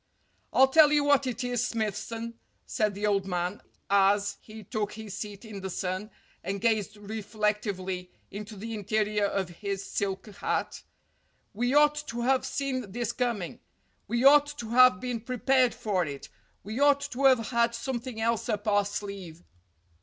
"I'll tell you what it is, Smithson," said the old man, as he took his seat in the sun and gazed reflec tively into the interior of his silk hat. "We ought to have seen this coming. We ought to have been prepared for it. We ought to have had something else up our sleeve."